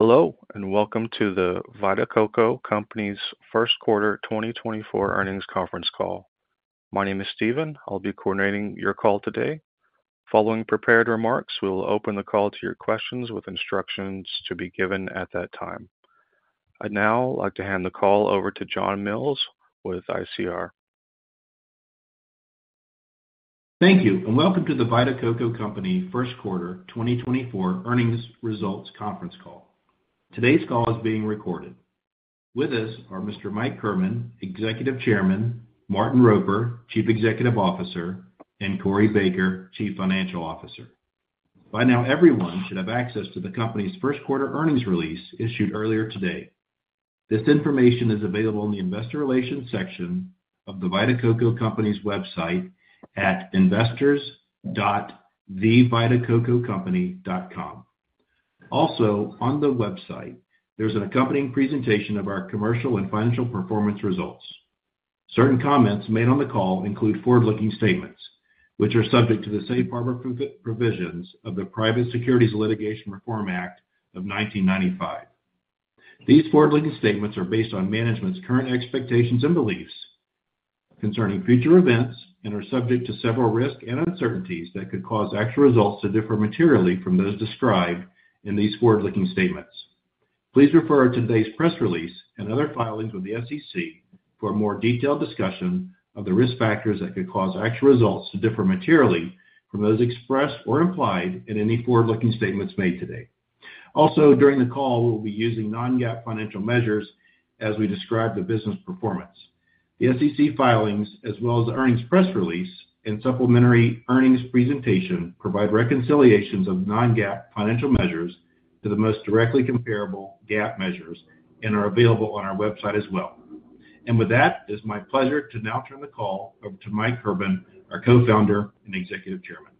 Hello, and welcome to the Vita Coco Company's first quarter 2024 earnings conference call. My name is Steven. I'll be coordinating your call today. Following prepared remarks, we will open the call to your questions with instructions to be given at that time. I'd now like to hand the call over to John Mills with ICR. Thank you, and welcome to the Vita Coco Company first quarter 2024 earnings results conference call. Today's call is being recorded. With us are Mr. Mike Kirban, Executive Chairman, Martin Roper, Chief Executive Officer, and Corey Baker, Chief Financial Officer. By now, everyone should have access to the company's first quarter earnings release issued earlier today. This information is available in the Investor Relations section of the Vita Coco Company's website at investors.thevitacococompany.com. Also, on the website, there's an accompanying presentation of our commercial and financial performance results. Certain comments made on the call include forward-looking statements, which are subject to the safe harbor provisions of the Private Securities Litigation Reform Act of 1995. These forward-looking statements are based on management's current expectations and beliefs concerning future events and are subject to several risks and uncertainties that could cause actual results to differ materially from those described in these forward-looking statements. Please refer to today's press release and other filings with the SEC for a more detailed discussion of the risk factors that could cause actual results to differ materially from those expressed or implied in any forward-looking statements made today. Also, during the call, we'll be using non-GAAP financial measures as we describe the business performance. The SEC filings, as well as the earnings press release and supplementary earnings presentation, provide reconciliations of non-GAAP financial measures to the most directly comparable GAAP measures and are available on our website as well. With that, it's my pleasure to now turn the call over to Mike Kirban, our Co-founder and Executive Chairman.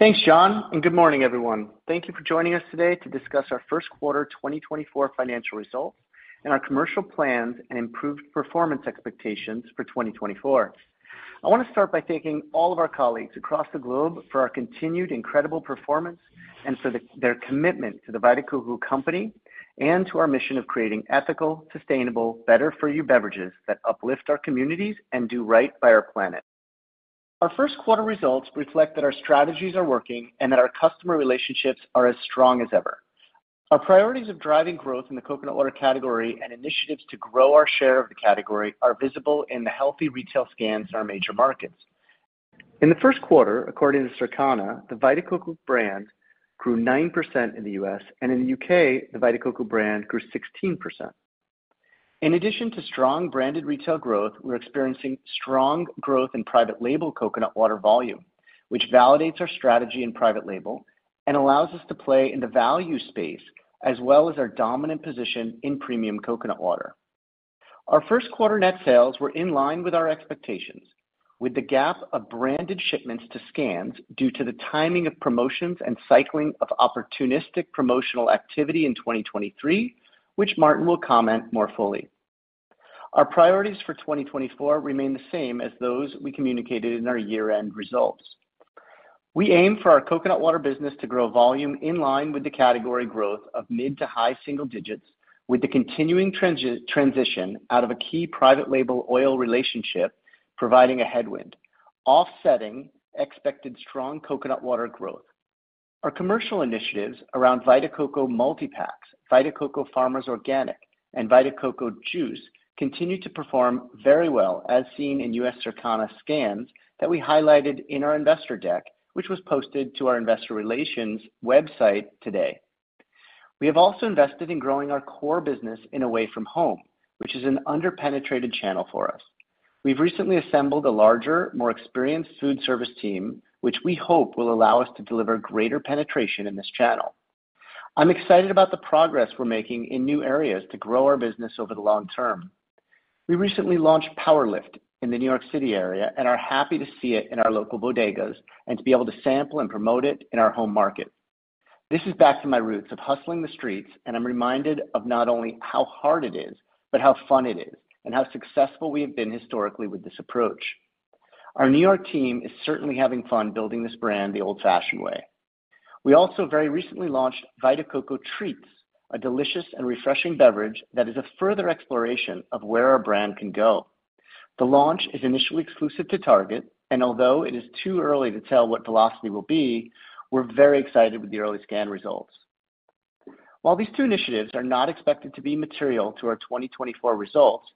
Thanks, John, and good morning, everyone. Thank you for joining us today to discuss our first quarter 2024 financial results and our commercial plans and improved performance expectations for 2024. I want to start by thanking all of our colleagues across the globe for our continued incredible performance and for their commitment to the Vita Coco Company and to our mission of creating ethical, sustainable, better for you beverages that uplift our communities and do right by our planet. Our first quarter results reflect that our strategies are working and that our customer relationships are as strong as ever. Our priorities of driving growth in the coconut water category and initiatives to grow our share of the category are visible in the healthy retail scans in our major markets. In the first quarter, according to Circana, the Vita Coco brand grew 9% in the U.S., and in the U.K., the Vita Coco brand grew 16%. In addition to strong branded retail growth, we're experiencing strong growth in private label coconut water volume, which validates our strategy in private label and allows us to play in the value space, as well as our dominant position in premium coconut water. Our first quarter net sales were in line with our expectations, with the gap of branded shipments to scans due to the timing of promotions and cycling of opportunistic promotional activity in 2023, which Martin will comment more fully. Our priorities for 2024 remain the same as those we communicated in our year-end results. We aim for our coconut water business to grow volume in line with the category growth of mid- to high-single digits, with the continuing transition out of a key private label oil relationship, providing a headwind, offsetting expected strong coconut water growth. Our commercial initiatives around Vita Coco Multi-Packs, Vita Coco Farmers Organic, and Vita Coco Juice continue to perform very well, as seen in U.S. Circana scans that we highlighted in our investor deck, which was posted to our investor relations website today. We have also invested in growing our core business in away from home, which is an under-penetrated channel for us. We've recently assembled a larger, more experienced foodservice team, which we hope will allow us to deliver greater penetration in this channel. I'm excited about the progress we're making in new areas to grow our business over the long term. We recently launched PWR LIFT in the New York City area and are happy to see it in our local bodegas and to be able to sample and promote it in our home market. This is back to my roots of hustling the streets, and I'm reminded of not only how hard it is, but how fun it is and how successful we have been historically with this approach. Our New York team is certainly having fun building this brand the old-fashioned way. We also very recently launched Vita Coco Treats, a delicious and refreshing beverage that is a further exploration of where our brand can go. The launch is initially exclusive to Target, and although it is too early to tell what velocity will be, we're very excited with the early scan results. While these two initiatives are not expected to be material to our 2024 results,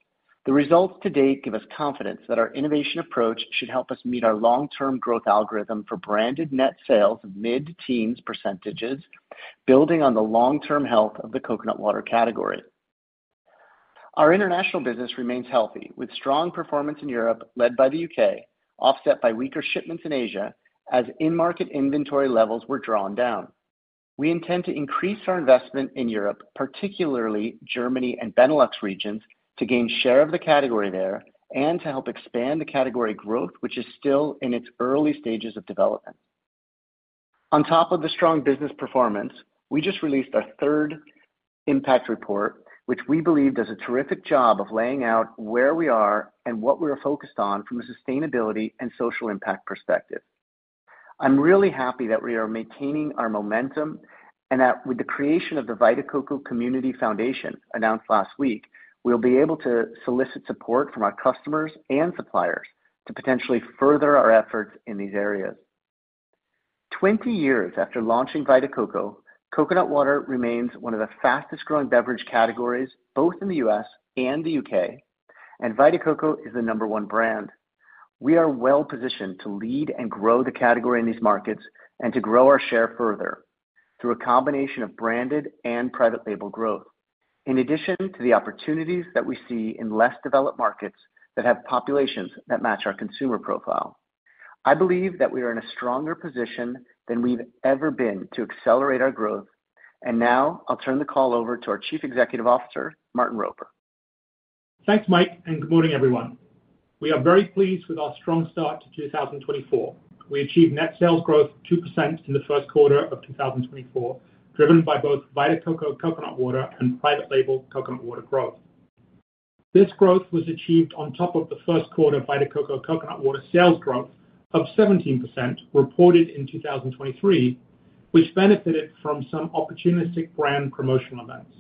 the results to date give us confidence that our innovation approach should help us meet our long-term growth algorithm for branded net sales of mid-teens %, building on the long-term health of the coconut water category. Our international business remains healthy, with strong performance in Europe, led by the U.K, offset by weaker shipments in Asia, as in-market inventory levels were drawn down. We intend to increase our investment in Europe, particularly Germany and Benelux regions, to gain share of the category there and to help expand the category growth, which is still in its early stages of development. On top of the strong business performance, we just released our third...... impact report, which we believe does a terrific job of laying out where we are and what we are focused on from a sustainability and social impact perspective. I'm really happy that we are maintaining our momentum, and that with the creation of the Vita Coco Community Foundation, announced last week, we'll be able to solicit support from our customers and suppliers to potentially further our efforts in these areas. 20 years after launching Vita Coco, coconut water remains one of the fastest growing beverage categories, both in the U.S. and the U.K., and Vita Coco is the number one brand. We are well positioned to lead and grow the category in these markets and to grow our share further through a combination of branded and Private Label growth, in addition to the opportunities that we see in less developed markets that have populations that match our consumer profile. I believe that we are in a stronger position than we've ever been to accelerate our growth. Now I'll turn the call over to our Chief Executive Officer, Martin Roper. Thanks, Mike, and good morning, everyone. We are very pleased with our strong start to 2024. We achieved net sales growth of 2% in the first quarter of 2024, driven by both Vita Coco Coconut Water and private label coconut water growth. This growth was achieved on top of the first quarter Vita Coco Coconut Water sales growth of 17% reported in 2023, which benefited from some opportunistic brand promotional events.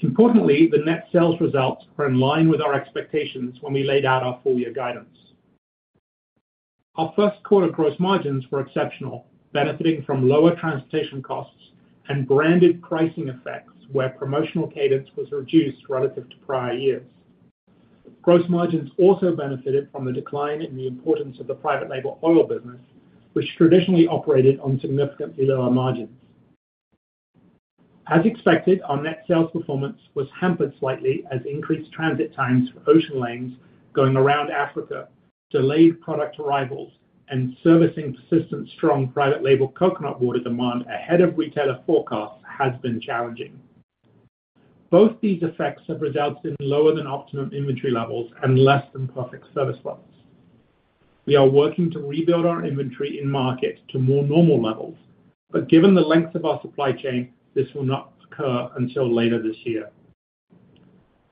Importantly, the net sales results are in line with our expectations when we laid out our full year guidance. Our first quarter gross margins were exceptional, benefiting from lower transportation costs and branded pricing effects, where promotional cadence was reduced relative to prior years. Gross margins also benefited from a decline in the importance of the private label oil business, which traditionally operated on significantly lower margins. As expected, our net sales performance was hampered slightly as increased transit times for ocean lanes going around Africa, delayed product arrivals, and servicing persistent strong private label coconut water demand ahead of retailer forecasts has been challenging. Both these effects have resulted in lower than optimum inventory levels and less than perfect service levels. We are working to rebuild our inventory in market to more normal levels, but given the length of our supply chain, this will not occur until later this year.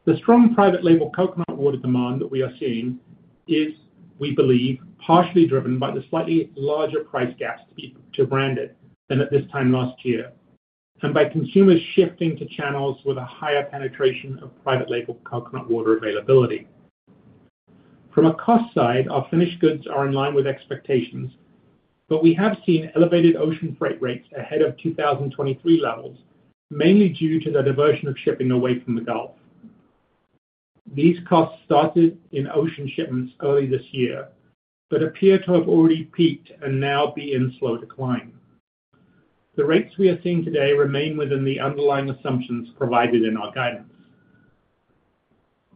The strong private label coconut water demand that we are seeing is, we believe, partially driven by the slightly larger price gaps to branded than at this time last year, and by consumers shifting to channels with a higher penetration of private label coconut water availability. From a cost side, our finished goods are in line with expectations, but we have seen elevated ocean freight rates ahead of 2023 levels, mainly due to the diversion of shipping away from the Gulf. These costs started in ocean shipments early this year, but appear to have already peaked and now be in slow decline. The rates we are seeing today remain within the underlying assumptions provided in our guidance.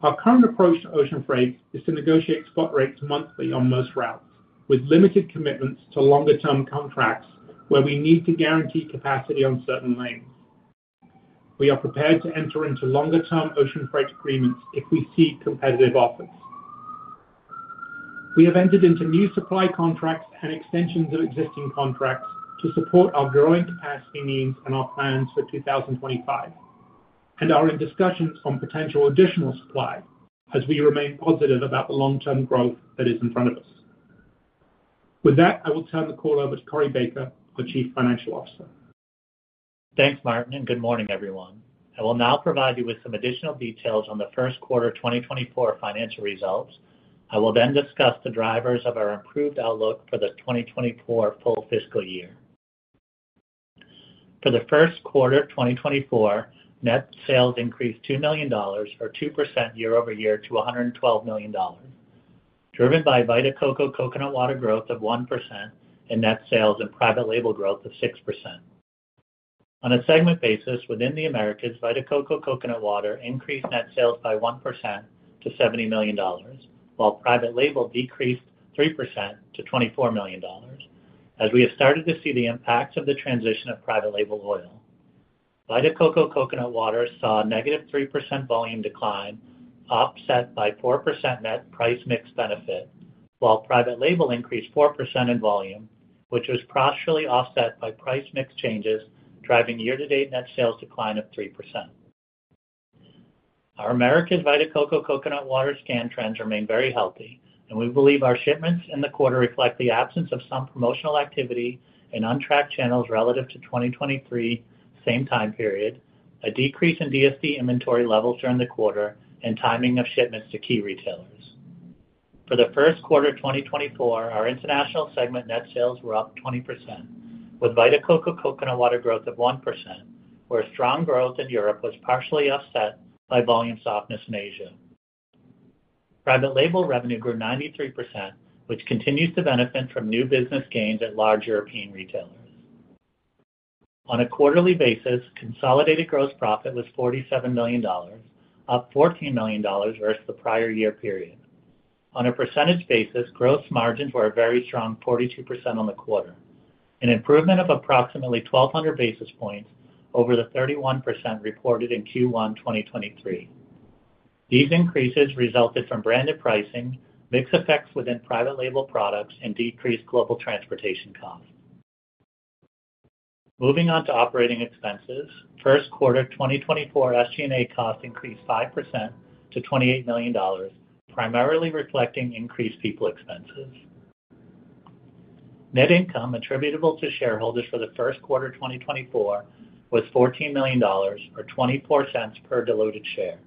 Our current approach to ocean freight is to negotiate spot rates monthly on most routes, with limited commitments to longer term contracts where we need to guarantee capacity on certain lanes. We are prepared to enter into longer term ocean freight agreements if we see competitive offers. We have entered into new supply contracts and extensions of existing contracts to support our growing capacity needs and our plans for 2025, and are in discussions on potential additional supply as we remain positive about the long-term growth that is in front of us. With that, I will turn the call over to Corey Baker, our Chief Financial Officer. Thanks, Martin, and good morning, everyone. I will now provide you with some additional details on the first quarter 2024 financial results. I will then discuss the drivers of our improved outlook for the 2024 full fiscal year. For the first quarter of 2024, net sales increased $2 million, or 2% year over year, to $112 million, driven by Vita Coco coconut water growth of 1% in net sales and private label growth of 6%. On a segment basis, within the Americas, Vita Coco coconut water increased net sales by 1% to $70 million, while private label decreased 3% to $24 million, as we have started to see the impacts of the transition of private label oil. Vita Coco Coconut Water saw a negative 3% volume decline, offset by 4% net price mix benefit, while Private Label increased 4% in volume, which was partially offset by price mix changes, driving year-to-date net sales decline of 3%. Our Americas Vita Coco Coconut Water scan trends remain very healthy, and we believe our shipments in the quarter reflect the absence of some promotional activity in untracked channels relative to 2023, same time period, a decrease in DSD inventory levels during the quarter, and timing of shipments to key retailers. For the first quarter of 2024, our international segment net sales were up 20%, with Vita Coco Coconut Water growth of 1%, where strong growth in Europe was partially offset by volume softness in Asia. Private label revenue grew 93%, which continues to benefit from new business gains at large European retailers. On a quarterly basis, consolidated gross profit was $47 million, up $14 million versus the prior year period. On a percentage basis, gross margins were a very strong 42% on the quarter, an improvement of approximately 1,200 basis points over the 31% reported in Q1 2023.... These increases resulted from branded pricing, mix effects within private label products, and decreased global transportation costs. Moving on to operating expenses. First quarter 2024 SG&A costs increased 5% to $28 million, primarily reflecting increased people expenses. Net income attributable to shareholders for the first quarter 2024 was $14 million, or $0.24 per diluted share,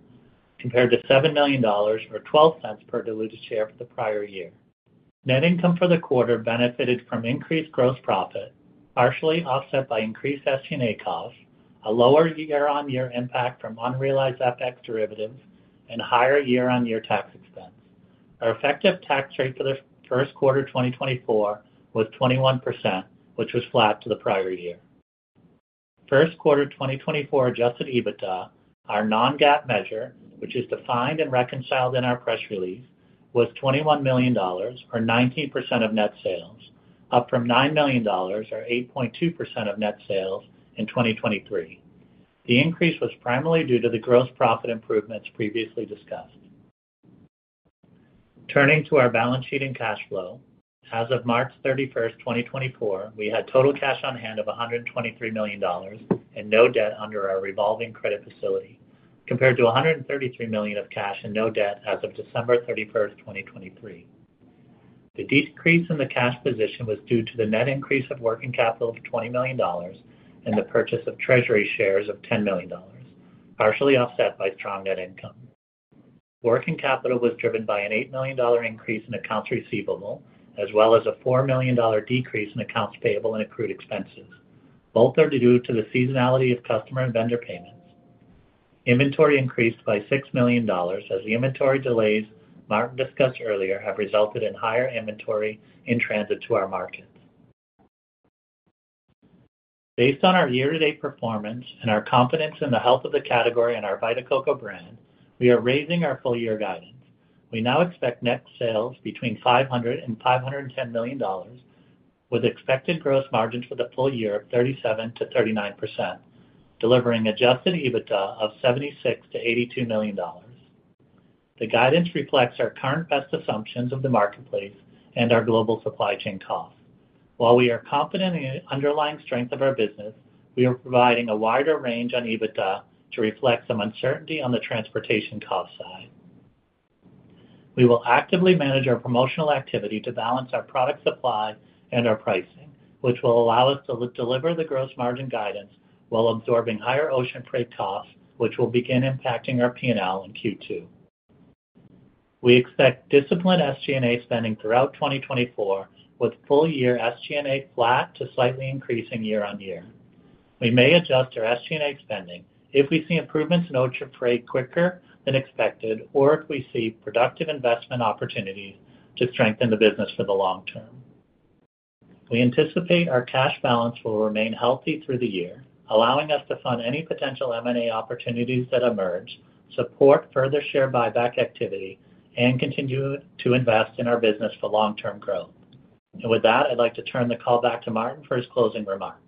compared to $7 million, or $0.12 per diluted share for the prior year. Net income for the quarter benefited from increased gross profit, partially offset by increased SG&A costs, a lower year-on-year impact from unrealized FX derivatives, and higher year-on-year tax expense. Our effective tax rate for the first quarter 2024 was 21%, which was flat to the prior year. First quarter 2024 adjusted EBITDA, our non-GAAP measure, which is defined and reconciled in our press release, was $21 million, or 19% of net sales, up from $9 million, or 8.2% of net sales in 2023. The increase was primarily due to the gross profit improvements previously discussed. Turning to our balance sheet and cash flow. As of March 31st, 2024, we had total cash on hand of $123 million and no debt under our revolving credit facility, compared to $133 million of cash and no debt as of December 31st, 2023. The decrease in the cash position was due to the net increase of working capital of $20 million and the purchase of treasury shares of $10 million, partially offset by strong net income. Working capital was driven by an $8 million increase in accounts receivable, as well as a $4 million decrease in accounts payable and accrued expenses. Both are due to the seasonality of customer and vendor payments. Inventory increased by $6 million, as the inventory delays Martin discussed earlier have resulted in higher inventory in transit to our markets. Based on our year-to-date performance and our confidence in the health of the category and our Vita Coco brand, we are raising our full year guidance. We now expect net sales between $500 million and $510 million, with expected gross margins for the full year of 37%-39%, delivering adjusted EBITDA of $76 million-$82 million. The guidance reflects our current best assumptions of the marketplace and our global supply chain costs. While we are confident in the underlying strength of our business, we are providing a wider range on EBITDA to reflect some uncertainty on the transportation cost side. We will actively manage our promotional activity to balance our product supply and our pricing, which will allow us to deliver the gross margin guidance while absorbing higher ocean freight costs, which will begin impacting our P&L in Q2. We expect disciplined SG&A spending throughout 2024, with full year SG&A flat to slightly increasing year-on-year. We may adjust our SG&A spending if we see improvements in ocean freight quicker than expected, or if we see productive investment opportunities to strengthen the business for the long term. We anticipate our cash balance will remain healthy through the year, allowing us to fund any potential M&A opportunities that emerge, support further share buyback activity, and continue to invest in our business for long-term growth. With that, I'd like to turn the call back to Martin for his closing remarks.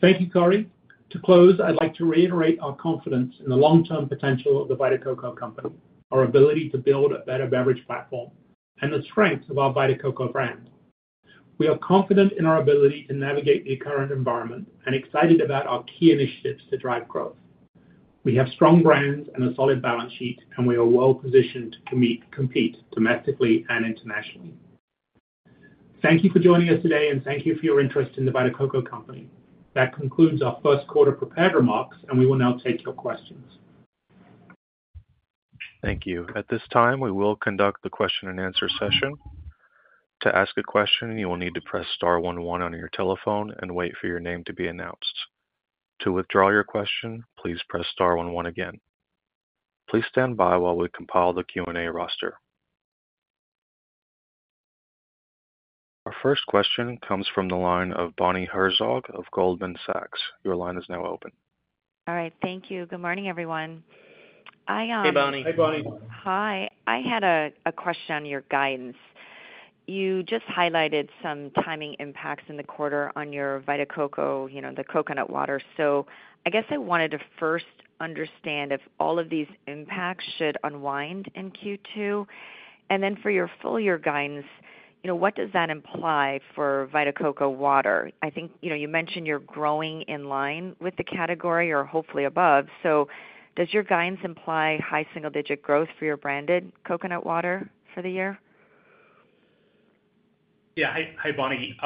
Thank you, Corey. To close, I'd like to reiterate our confidence in the long-term potential of the Vita Coco Company, our ability to build a better beverage platform, and the strength of our Vita Coco brand. We are confident in our ability to navigate the current environment and excited about our key initiatives to drive growth. We have strong brands and a solid balance sheet, and we are well positioned to compete domestically and internationally. Thank you for joining us today, and thank you for your interest in the Vita Coco Company. That concludes our first quarter prepared remarks, and we will now take your questions. Thank you. At this time, we will conduct the question-and-answer session. To ask a question, you will need to press star one one on your telephone and wait for your name to be announced. To withdraw your question, please press star one one again. Please stand by while we compile the Q&A roster. Our first question comes from the line of Bonnie Herzog of Goldman Sachs. Your line is now open. All right, thank you. Good morning, everyone. I- Hey, Bonnie. Hey, Bonnie. Hi. I had a question on your guidance. You just highlighted some timing impacts in the quarter on your Vita Coco, you know, the coconut water. So I guess I wanted to first understand if all of these impacts should unwind in Q2. And then for your full year guidance, you know, what does that imply for Vita Coco water? I think, you know, you mentioned you're growing in line with the category, or hopefully above, so does your guidance imply high single-digit growth for your branded coconut water for the year? Yeah. Hi, hi, Bonnie.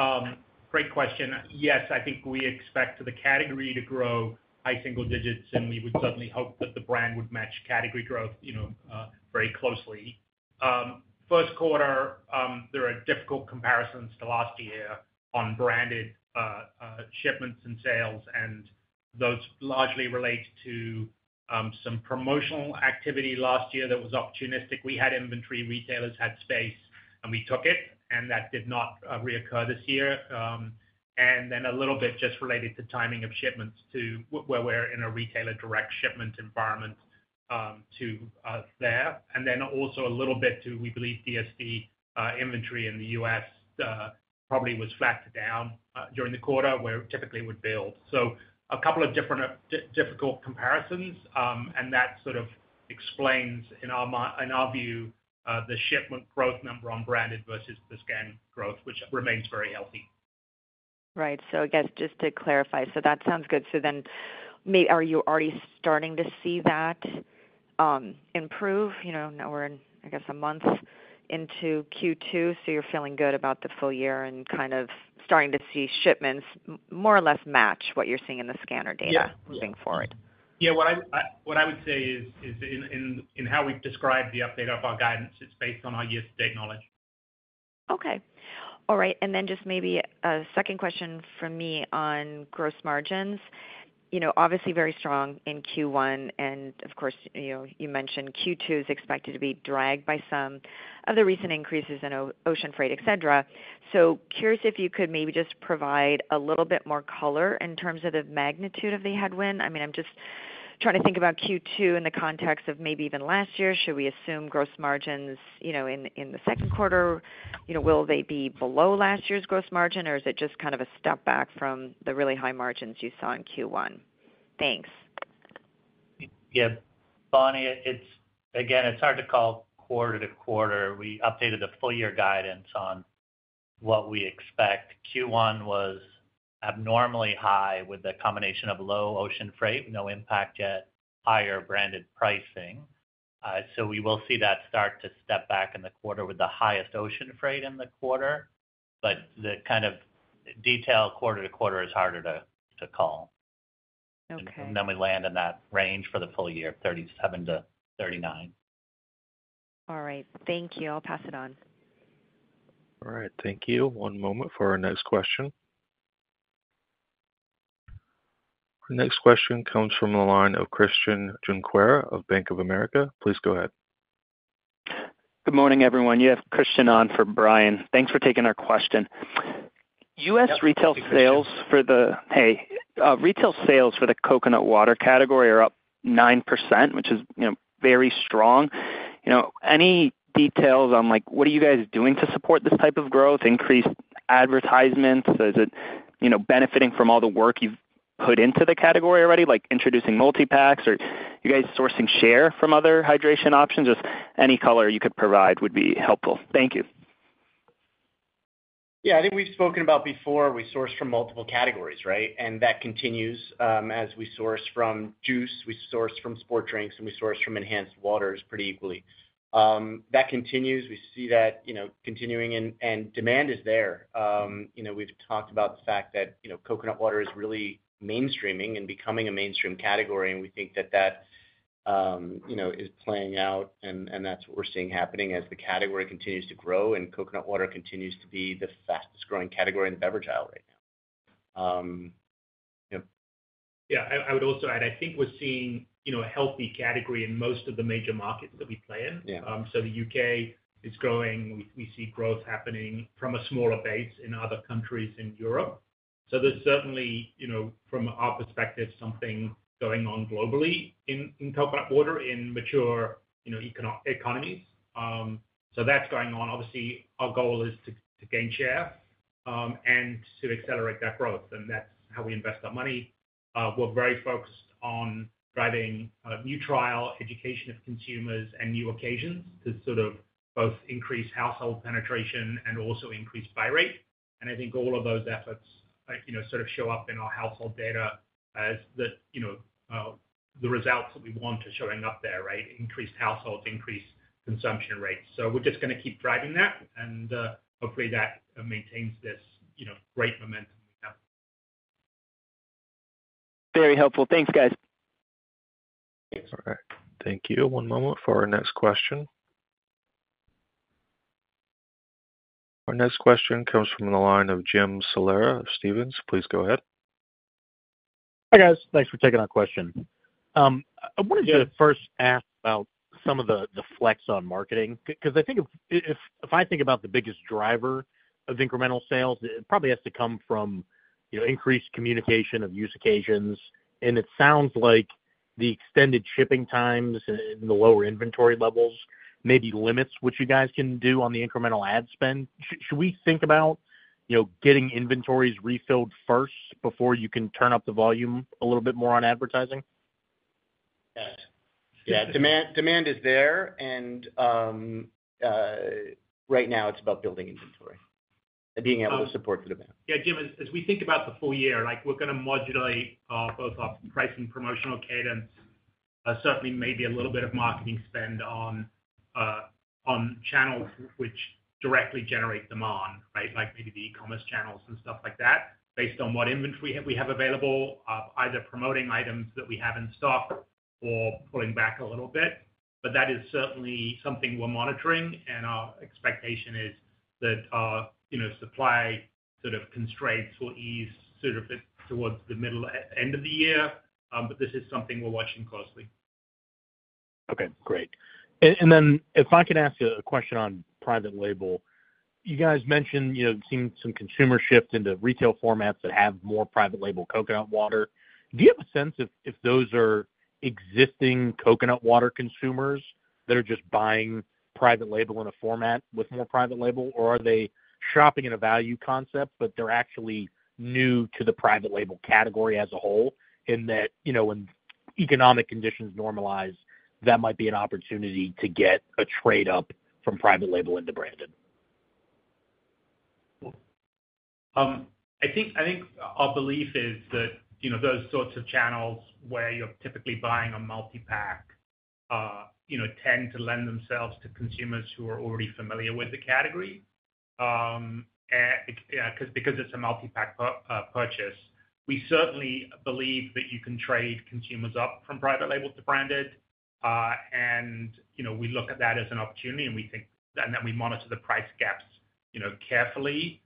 Great question. Yes, I think we expect the category to grow high single digits, and we would certainly hope that the brand would match category growth, you know, very closely. First quarter, there are difficult comparisons to last year on branded shipments and sales, and those largely relate to some promotional activity last year that was opportunistic. We had inventory, retailers had space, and we took it, and that did not reoccur this year. And then a little bit just related to timing of shipments to where we're in a retailer direct shipment environment, to-... there, and then also a little bit to, we believe, DSD inventory in the U.S., probably was flat to down during the quarter, where typically it would build. So a couple of difficult comparisons, and that sort of explains, in our view, the shipment growth number on branded versus the scan growth, which remains very healthy. Right. So I guess just to clarify, so that sounds good. So then, are you already starting to see that improve? You know, now we're in, I guess, a month into Q2, so you're feeling good about the full year and kind of starting to see shipments more or less match what you're seeing in the scanner data- Yeah... moving forward? Yeah, what I would say is in how we've described the update of our guidance, it's based on our year-to-date knowledge. Okay. All right, and then just maybe a second question from me on gross margins. You know, obviously, very strong in Q1, and of course, you know, you mentioned Q2 is expected to be dragged by some of the recent increases in ocean freight, et cetera. So curious if you could maybe just provide a little bit more color in terms of the magnitude of the headwind. I mean, I'm just trying to think about Q2 in the context of maybe even last year. Should we assume gross margins, you know, in, in the second quarter? You know, will they be below last year's gross margin, or is it just kind of a step back from the really high margins you saw in Q1? Thanks. Yeah. Bonnie, it's, again, it's hard to call quarter-to-quarter. We updated the full year guidance on what we expect. Q1 was abnormally high with the combination of low ocean freight, no impact yet, higher branded pricing. So we will see that start to step back in the quarter with the highest ocean freight in the quarter, but the kind of detailed quarter-to-quarter is harder to call. Okay. And then we land in that range for the full year, 37-39. All right. Thank you. I'll pass it on. All right, thank you. One moment for our next question. Our next question comes from the line of Christian Junqueira of Bank of America. Please go ahead. Good morning, everyone. You have Christian on for Brian. Thanks for taking our question. Yep. U.S. retail sales for the coconut water category are up 9%, which is, you know, very strong. You know, any details on, like, what are you guys doing to support this type of growth? Increased advertisements? Is it, you know, benefiting from all the work you've put into the category already, like introducing multi-packs, or you guys sourcing share from other hydration options? Just any color you could provide would be helpful. Thank you. Yeah, I think we've spoken about before, we source from multiple categories, right? And that continues as we source from juice, we source from sports drinks, and we source from enhanced waters pretty equally. That continues. We see that, you know, continuing and demand is there. You know, we've talked about the fact that, you know, coconut water is really mainstreaming and becoming a mainstream category, and we think that that, you know, is playing out and that's what we're seeing happening as the category continues to grow and coconut water continues to be the fastest growing category in the beverage aisle right now. Yep. Yeah, I would also add, I think we're seeing, you know, a healthy category in most of the major markets that we play in. Yeah. So the U.K. is growing. We see growth happening from a smaller base in other countries in Europe. So there's certainly, you know, from our perspective, something going on globally in coconut water in mature economies. So that's going on. Obviously, our goal is to gain share and to accelerate that growth, and that's how we invest our money. We're very focused on driving new trial, education of consumers, and new occasions to sort of both increase household penetration and also increase buy rate. And I think all of those efforts, like, you know, sort of show up in our household data as the, you know, the results that we want are showing up there, right? Increased households, increased consumption rates. We're just gonna keep driving that, and hopefully, that maintains this, you know, great momentum we have. Very helpful. Thanks, guys. All right. Thank you. One moment for our next question. Our next question comes from the line of Jim Salera of Stephens. Please go ahead. Hi, guys. Thanks for taking our question. I wanted to... first ask about some of the flex on marketing. Because I think if I think about the biggest driver of incremental sales, it probably has to come from, you know, increased communication of use occasions, and it sounds like the extended shipping times and the lower inventory levels maybe limits what you guys can do on the incremental ad spend. Should we think about, you know, getting inventories refilled first before you can turn up the volume a little bit more on advertising? Yeah. Yeah, demand, demand is there, and right now it's about building inventory and being able to support the demand. Yeah, Jim, as we think about the full year, like, we're gonna modulate both our price and promotional cadence, certainly maybe a little bit of marketing spend on channels which directly generate demand, right? Like maybe the e-commerce channels and stuff like that, based on what inventory we have available, either promoting items that we have in stock or pulling back a little bit. But that is certainly something we're monitoring, and our expectation is that our, you know, supply sort of constraints will ease sort of towards the middle end of the year. But this is something we're watching closely. Okay, great. And then if I could ask you a question on private label. You guys mentioned, you know, seeing some consumer shift into retail formats that have more private label coconut water. Do you have a sense if those are existing coconut water consumers that are just buying private label in a format with more private label? Or are they shopping in a value concept, but they're actually new to the private label category as a whole, in that, you know, when economic conditions normalize, that might be an opportunity to get a trade up from private label into branded? I think, I think our belief is that, you know, those sorts of channels where you're typically buying a multi-pack, you know, tend to lend themselves to consumers who are already familiar with the category, because, because it's a multi-pack purchase. We certainly believe that you can trade consumers up from private label to branded, and, you know, we look at that as an opportunity, and we think and then we monitor the price gaps, you know, carefully.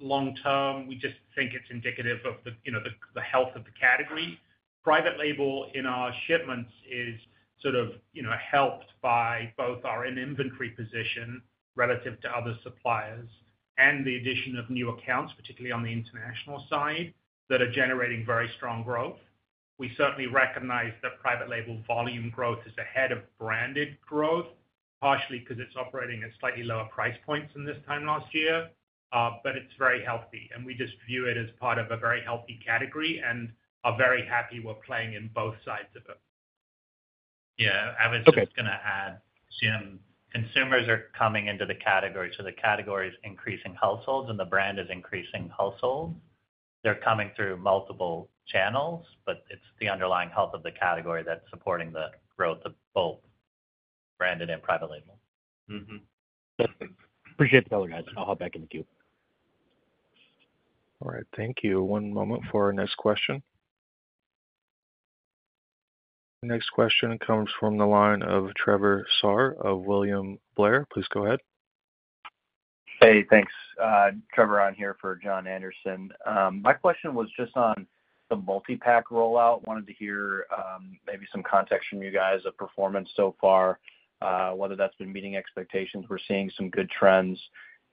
Long term, we just think it's indicative of the, you know, the, the health of the category. Private label in our shipments is sort of, you know, helped by both our inventory position relative to other suppliers and the addition of new accounts, particularly on the international side, that are generating very strong growth. We certainly recognize that private label volume growth is ahead of branded growth, partially because it's operating at slightly lower price points than this time last year. But it's very healthy, and we just view it as part of a very healthy category and are very happy we're playing in both sides of it. Yeah, I was- Okay... just gonna add, Jim, consumers are coming into the category, so the category is increasing households, and the brand is increasing households. They're coming through multiple channels, but it's the underlying health of the category that's supporting the growth of both branded and private label. Mm-hmm. Appreciate that, guys. I'll hop back in the queue. All right, thank you. One moment for our next question. Next question comes from the line of Trevor Sahr of William Blair. Please go ahead. Hey, thanks. Trevor here for Jon Andersen. My question was just on the multi-pack rollout. Wanted to hear maybe some context from you guys of performance so far, whether that's been meeting expectations. We're seeing some good trends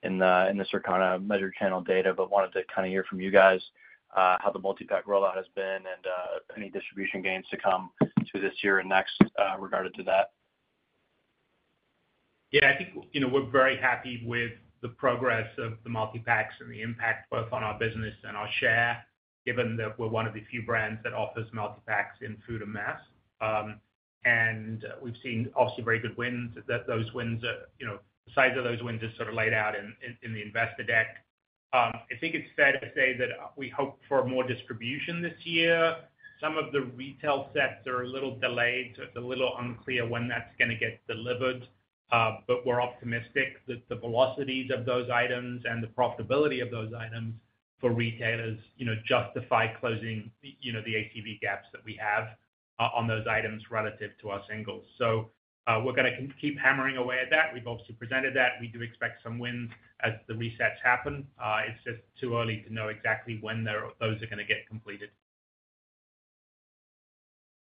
in the Circana measured channel data, but wanted to kind of hear from you guys how the multi-pack rollout has been and any distribution gains to come this year and next regarding that. Yeah, I think, you know, we're very happy with the progress of the multi-packs and the impact both on our business and our share, given that we're one of the few brands that offers multi-packs in food and mass. And we've seen also very good wins, that those wins are, you know, the size of those wins is sort of laid out in the investor deck. I think it's fair to say that we hope for more distribution this year. Some of the retail sets are a little delayed, so it's a little unclear when that's gonna get delivered. But we're optimistic that the velocities of those items and the profitability of those items for retailers, you know, justify closing the, you know, the ACV gaps that we have on those items relative to our singles. We're gonna keep hammering away at that. We've also presented that. We do expect some wins as the resets happen. It's just too early to know exactly when they're, those are gonna get completed.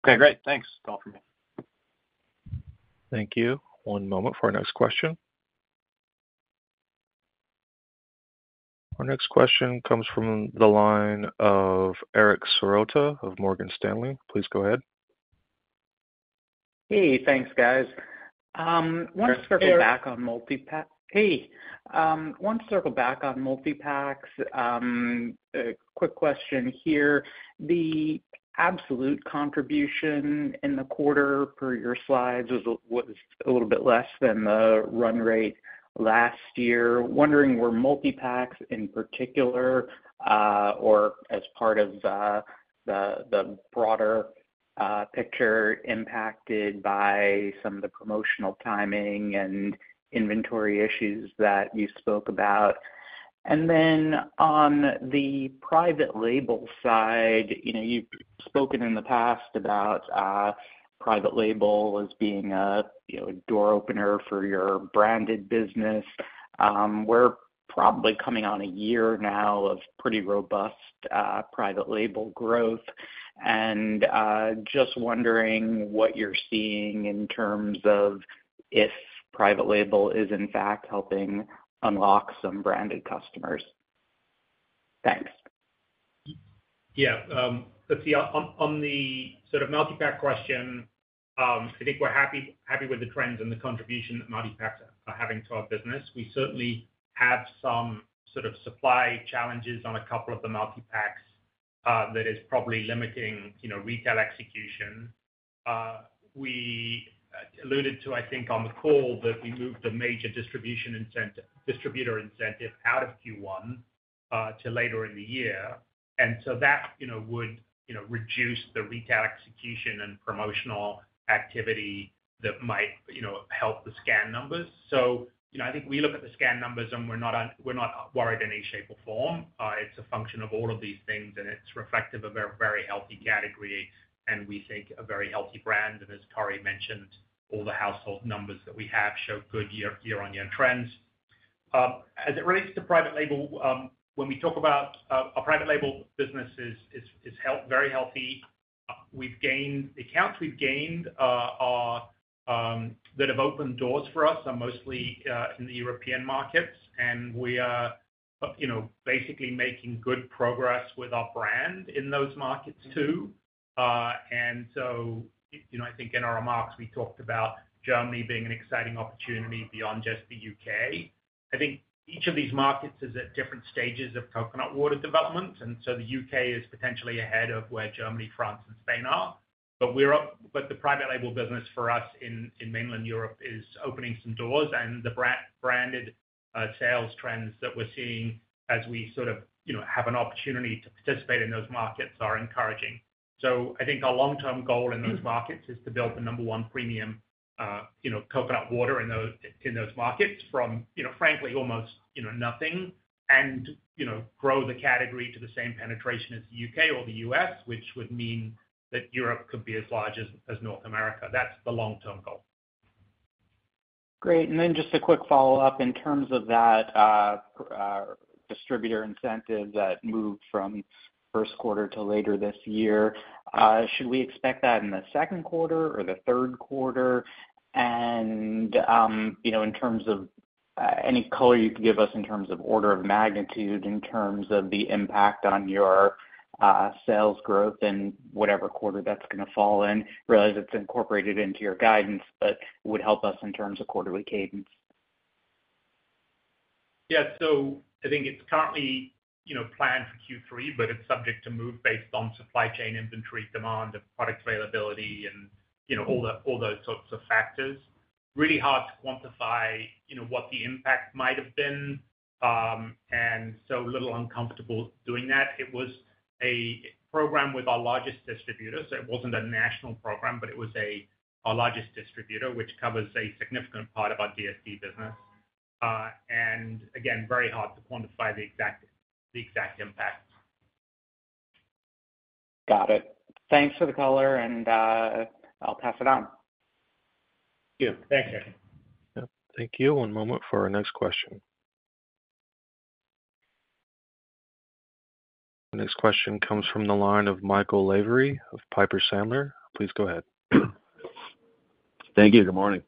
Okay, great. Thanks. That's all for me. Thank you. One moment for our next question. Our next question comes from the line of Eric Serotta of Morgan Stanley. Please go ahead. Hey, thanks, guys. Want to circle back on multi-packs. A quick question here. The absolute contribution in the quarter for your slides was a little bit less than the run rate last year. Wondering, were multi-packs in particular or as part of the broader picture impacted by some of the promotional timing and inventory issues that you spoke about? And then on the private label side, you know, you've spoken in the past about private label as being a, you know, a door opener for your branded business. We're probably coming on a year now of pretty robust private label growth, and just wondering what you're seeing in terms of if private label is, in fact, helping unlock some branded customers. Thanks. Yeah, let's see. On the sort of multi-pack question, I think we're happy with the trends and the contribution that multi-packs are having to our business. We certainly have some sort of supply challenges on a couple of the multi-packs that is probably limiting, you know, retail execution. We alluded to, I think, on the call that we moved a major distributor incentive out of Q1 to later in the year. And so that, you know, would, you know, reduce the retail execution and promotional activity that might, you know, help the scan numbers. So, you know, I think we look at the scan numbers and we're not worried in any shape or form. It's a function of all of these things, and it's reflective of a very healthy category, and we think a very healthy brand. As Corey mentioned, all the household numbers that we have show good year-over-year trends. As it relates to Private Label, when we talk about our Private Label business is, is, is healthy, very healthy. We've gained accounts we've gained that have opened doors for us are mostly in the European markets, and we are, you know, basically making good progress with our brand in those markets, too. And so, you know, I think in our remarks, we talked about Germany being an exciting opportunity beyond just the U.K.. I think each of these markets is at different stages of coconut water development, and so the U.K. is potentially ahead of where Germany, France, and Spain are. But the Private Label business for us in, in mainland Europe is opening some doors, and the branded sales trends that we're seeing as we sort of, you know, have an opportunity to participate in those markets are encouraging. So I think our long-term goal in those markets is to build the number one premium, you know, coconut water in those markets from, you know, frankly, almost, you know, nothing and, you know, grow the category to the same penetration as the U.K. or the U.S., which would mean that Europe could be as large as, as North America. That's the long-term goal. Great, and then just a quick follow-up. In terms of that, distributor incentive that moved from first quarter to later this year, should we expect that in the second quarter or the third quarter? And, you know, in terms of, any color you could give us in terms of order of magnitude, in terms of the impact on your, sales growth and whatever quarter that's gonna fall in? Realize it's incorporated into your guidance, but would help us in terms of quarterly cadence. Yeah, so I think it's currently, you know, planned for Q3, but it's subject to move based on supply chain inventory, demand, and product availability, and, you know, all those sorts of factors. Really hard to quantify, you know, what the impact might have been, and so a little uncomfortable doing that. It was a program with our largest distributor, so it wasn't a national program, but it was our largest distributor, which covers a significant part of our DSD business. And again, very hard to quantify the exact impact. Got it. Thanks for the color, and, I'll pass it on. Yeah. Thanks, Eric. Yep. Thank you. One moment for our next question. The next question comes from the line of Michael Lavery of Piper Sandler. Please go ahead. Thank you. Good morning.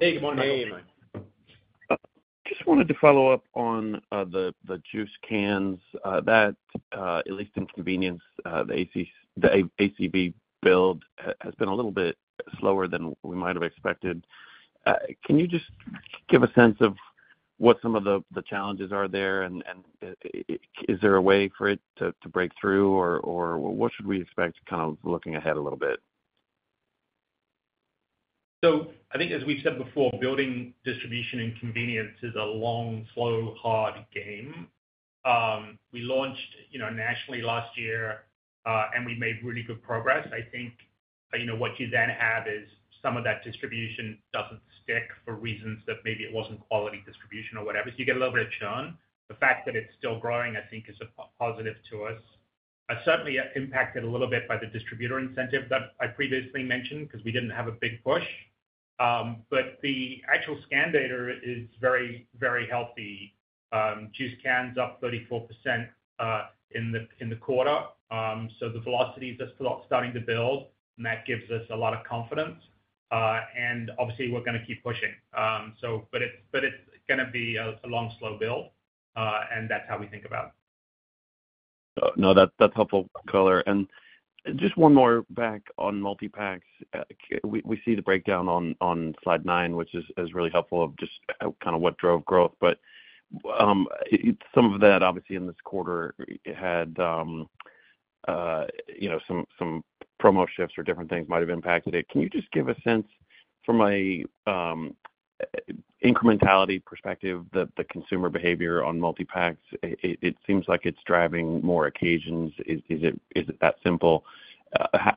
Hey, good morning. Hi, everyone. Just wanted to follow up on the juice cans that at least in convenience the ACB build has been a little bit slower than we might have expected. Can you just give a sense of what some of the challenges are there? Is there a way for it to break through? Or what should we expect kind of looking ahead a little bit? So I think, as we've said before, building distribution and convenience is a long, slow, hard game. We launched, you know, nationally last year, and we made really good progress. I think, you know, what you then have is some of that distribution doesn't stick for reasons that maybe it wasn't quality distribution or whatever. So you get a little bit of churn. The fact that it's still growing, I think is a positive to us. Certainly impacted a little bit by the distributor incentive that I previously mentioned, 'cause we didn't have a big push. But the actual scan data is very, very healthy. Juice cans up 34% in the quarter. So the velocity is just starting to build, and that gives us a lot of confidence. And obviously, we're gonna keep pushing. So, but it's gonna be a long, slow build, and that's how we think about it. No, that's helpful color. And just one more back on multi-packs. We see the breakdown on slide 9, which is really helpful of just kind of what drove growth. But some of that, obviously, in this quarter had you know, some promo shifts or different things might have impacted it. Can you just give a sense from a incrementality perspective, the consumer behavior on multi-packs? It seems like it's driving more occasions. Is it that simple?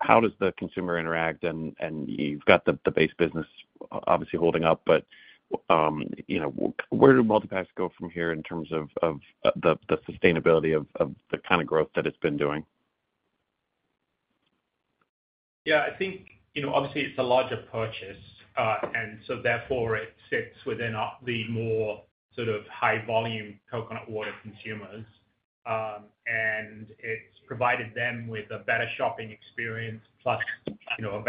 How does the consumer interact? And you've got the base business obviously holding up, but you know, where do multi-packs go from here in terms of the sustainability of the kind of growth that it's been doing? Yeah, I think, you know, obviously it's a larger purchase, and so therefore it sits within our, the more sort of high volume coconut water consumers. And it's provided them with a better shopping experience plus, you know, a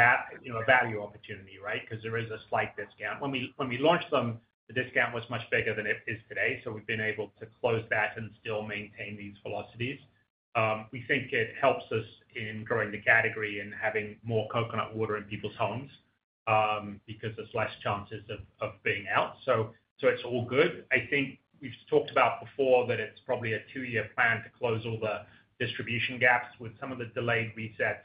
value opportunity, right? Because there is a slight discount. When we launched them, the discount was much bigger than it is today, so we've been able to close that and still maintain these velocities. We think it helps us in growing the category and having more coconut water in people's homes, because there's less chances of being out. So it's all good. I think we've talked about before, that it's probably a two-year plan to close all the distribution gaps with some of the delayed resets.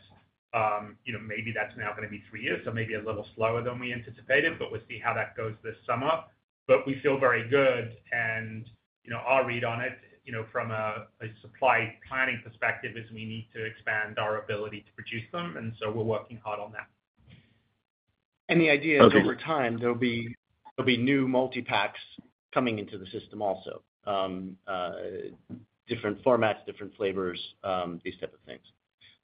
you know, maybe that's now gonna be three years, so maybe a little slower than we anticipated, but we'll see how that goes this summer. But we feel very good and, you know, our read on it, you know, from a supply planning perspective, is we need to expand our ability to produce them, and so we're working hard on that. Okay. The idea is over time, there'll be, there'll be new multi-packs coming into the system also. Different formats, different flavors, these type of things,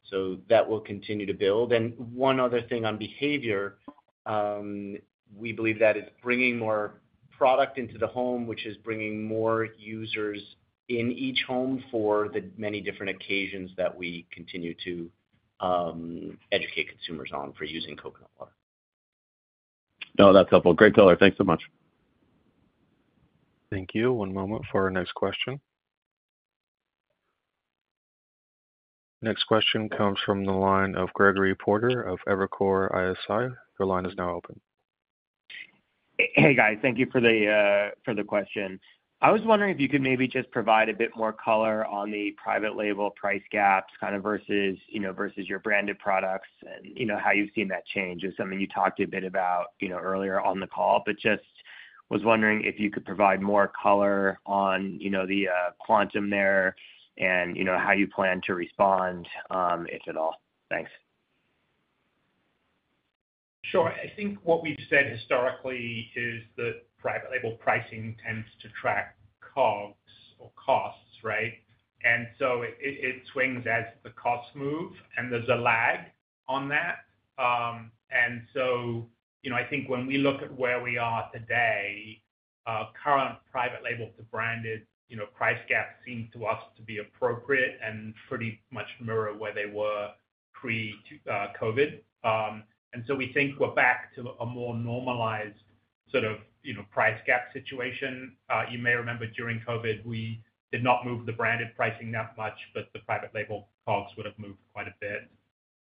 so that will continue to build. One other thing on behavior, we believe that is bringing more product into the home, which is bringing more users in each home for the many different occasions that we continue to educate consumers on for using coconut water. No, that's helpful. Great color. Thanks so much. Thank you. One moment for our next question. Next question comes from the line of Gregory Porter of Evercore ISI. Your line is now open. Hey, guys. Thank you for the question. I was wondering if you could maybe just provide a bit more color on the private label price gaps, kind of versus, you know, versus your branded products and, you know, how you've seen that change. It's something you talked a bit about, you know, earlier on the call, but just was wondering if you could provide more color on, you know, the quantum there and, you know, how you plan to respond, if at all. Thanks. Sure. I think what we've said historically is that Private Label pricing tends to track COGS or costs, right? And so it swings as the costs move, and there's a lag on that. And so, you know, I think when we look at where we are today, current Private Label to branded, you know, price gaps seem to us to be appropriate and pretty much mirror where they were pre-COVID. And so we think we're back to a more normalized sort of, you know, price gap situation. You may remember during COVID, we did not move the branded pricing that much, but the Private Label COGS would've moved quite a bit.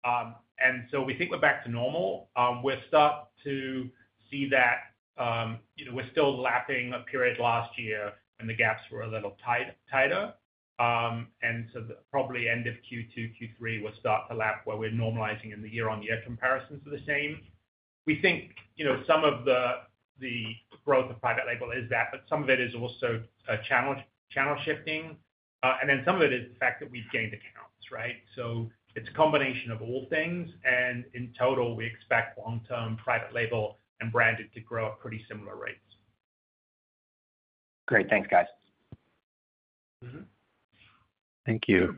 And so we think we're back to normal. We're start to see that, you know, we're still lapping a period last year, when the gaps were a little tighter. And so probably end of Q2, Q3, we'll start to lap where we're normalizing in the year-on-year comparisons are the same. We think, you know, some of the growth of private label is that, but some of it is also channel shifting. And then some of it is the fact that we've gained accounts, right? So it's a combination of all things, and in total, we expect long-term private label and branded to grow at pretty similar rates. Great. Thanks, guys. Thank you.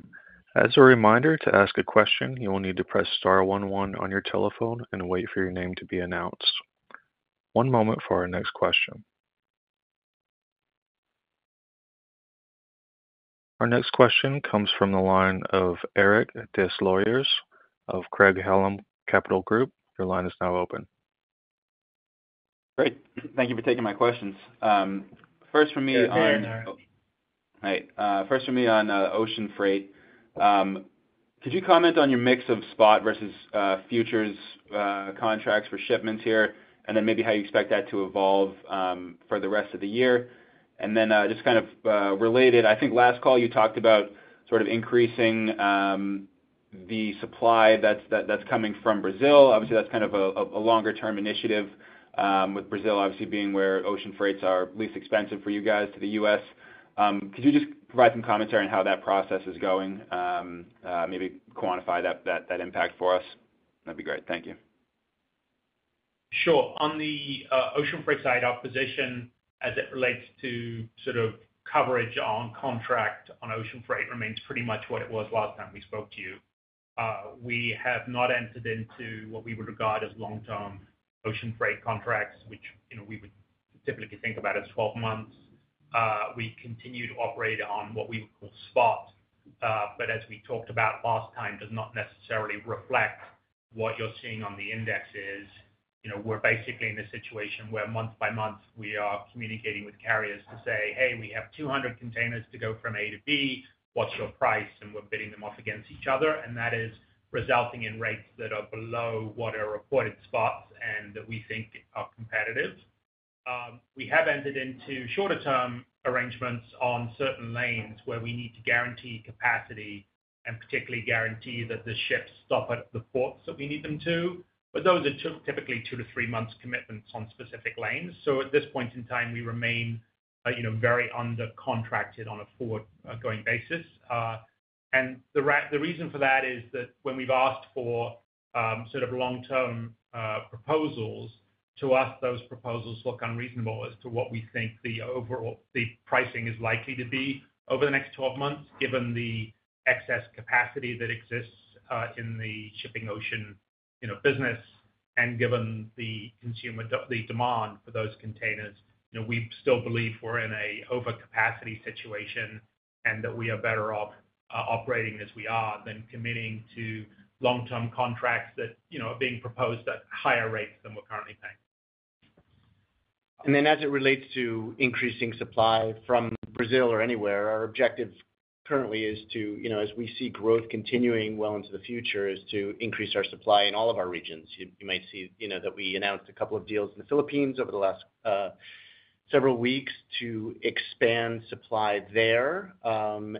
As a reminder, to ask a question, you will need to press star one one on your telephone and wait for your name to be announced. One moment for our next question. Our next question comes from the line of Eric Des Lauriers of Craig-Hallum Capital Group. Your line is now open. Great. Thank you for taking my questions. First for me on- Hey, Eric. Right. First for me on ocean freight. Could you comment on your mix of spot versus futures contracts for shipments here, and then maybe how you expect that to evolve for the rest of the year? And then, just kind of related, I think last call you talked about sort of increasing the supply that's coming from Brazil. Obviously, that's kind of a longer term initiative, with Brazil obviously being where ocean freights are least expensive for you guys to the U.S.. Could you just provide some commentary on how that process is going? Maybe quantify that impact for us? That'd be great. Thank you. Sure. On the ocean freight side, our position as it relates to sort of coverage on contract on ocean freight remains pretty much what it was last time we spoke to you. We have not entered into what we would regard as long-term ocean freight contracts, which, you know, we would typically think about as 12 months. We continue to operate on what we would call spot, but as we talked about last time, does not necessarily reflect what you're seeing on the indexes. You know, we're basically in a situation where month by month we are communicating with carriers to say, "Hey, we have 200 containers to go from A to B, what's your price?" And we're bidding them off against each other, and that is resulting in rates that are below what are reported spots, and that we think are competitive. We have entered into shorter term arrangements on certain lanes where we need to guarantee capacity and particularly guarantee that the ships stop at the ports that we need them to. But those are two, typically two-three months commitments on specific lanes. So at this point in time, we remain, you know, very under contracted on a forward, going basis. And the reason for that is that when we've asked for, sort of long-term, proposals, to us, those proposals look unreasonable as to what we think the overall, the pricing is likely to be over the next 12 months, given the excess capacity that exists, in the shipping ocean, you know, business, and given the consumer demand for those containers, you know, we still believe we're in a overcapacity situation, and that we are better off operating as we are than committing to long-term contracts that, you know, are being proposed at higher rates than we're currently paying. And then as it relates to increasing supply from Brazil or anywhere, our objective currently is to, you know, as we see growth continuing well into the future, is to increase our supply in all of our regions. You might see, you know, that we announced a couple of deals in the Philippines over the last several weeks to expand supply there. And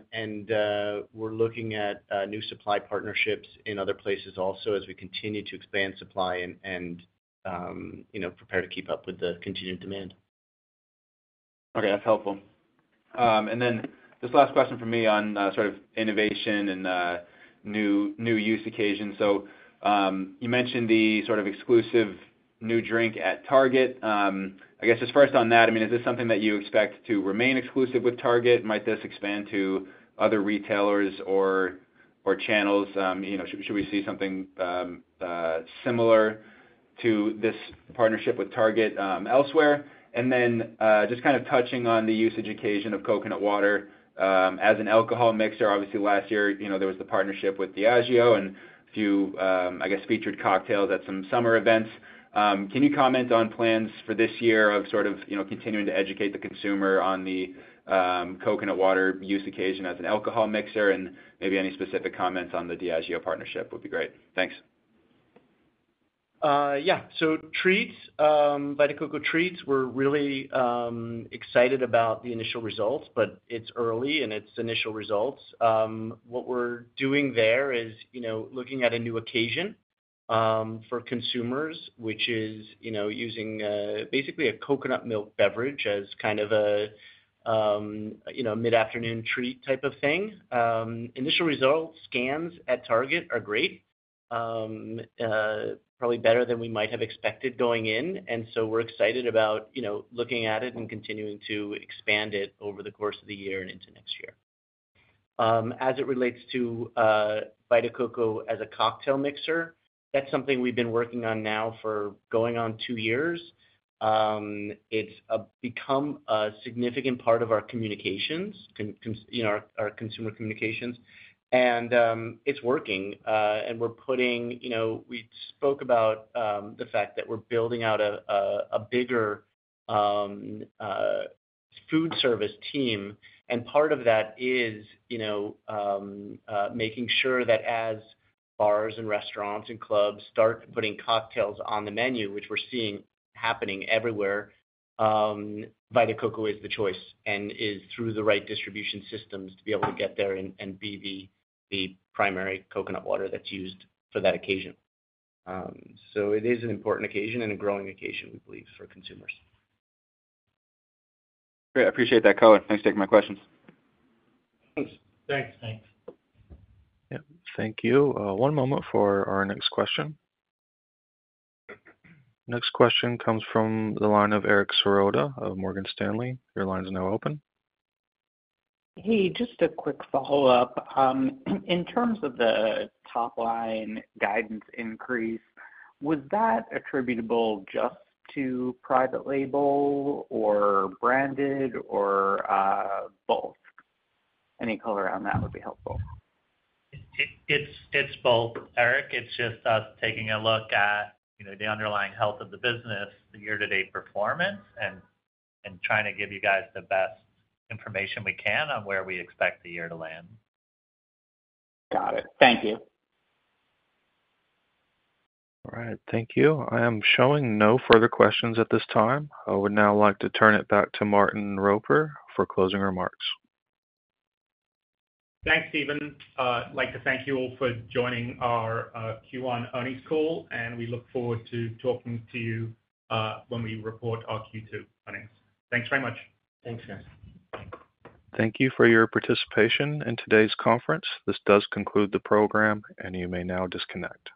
we're looking at new supply partnerships in other places also as we continue to expand supply and, you know, prepare to keep up with the continued demand. Okay, that's helpful. And then just last question for me on sort of innovation and new use occasions. So, you mentioned the sort of exclusive new drink at Target. I guess just first on that, I mean, is this something that you expect to remain exclusive with Target? Might this expand to other retailers or channels, you know, should we see something similar to this partnership with Target elsewhere? And then just kind of touching on the usage occasion of coconut water as an alcohol mixer. Obviously, last year, you know, there was the partnership with Diageo and a few, I guess, featured cocktails at some summer events. Can you comment on plans for this year of sort of, you know, continuing to educate the consumer on the coconut water use occasion as an alcohol mixer? And maybe any specific comments on the Diageo partnership would be great. Thanks. Yeah. So, Treats, Vita Coco Treats, we're really excited about the initial results, but it's early and it's initial results. What we're doing there is, you know, looking at a new occasion for consumers, which is, you know, using basically a coconut milk beverage as kind of a, you know, mid-afternoon treat type of thing. Initial results, scans at Target are great. Probably better than we might have expected going in, and so we're excited about, you know, looking at it and continuing to expand it over the course of the year and into next year. As it relates to Vita Coco as a cocktail mixer, that's something we've been working on now for going on two years. It's become a significant part of our communications, you know, our consumer communications, and it's working. And we're putting... You know, we spoke about the fact that we're building out a bigger food service team, and part of that is, you know, making sure that as bars and restaurants and clubs start putting cocktails on the menu, which we're seeing happening everywhere, Vita Coco is the choice, and is through the right distribution systems to be able to get there and, and be the, the primary coconut water that's used for that occasion. So it is an important occasion and a growing occasion, we believe, for consumers. Great. I appreciate that, color. Thanks for taking my questions. Thanks. Thanks. Thanks. Yep. Thank you. One moment for our next question. Next question comes from the line of Eric Serotta of Morgan Stanley. Your line is now open. Hey, just a quick follow-up. In terms of the top-line guidance increase, was that attributable just to private label or branded or, both? Any color around that would be helpful. It's both, Eric. It's just us taking a look at, you know, the underlying health of the business, the year-to-date performance, and trying to give you guys the best information we can on where we expect the year to land. Got it. Thank you. All right, thank you. I am showing no further questions at this time. I would now like to turn it back to Martin Roper for closing remarks. Thanks, Steven. I'd like to thank you all for joining our Q1 earnings call, and we look forward to talking to you when we report our Q2 earnings. Thanks very much. Thanks, guys. Thank you for your participation in today's conference. This does conclude the program, and you may now disconnect.